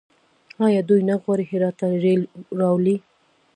آیا دوی نه غواړي هرات ته ریل راولي؟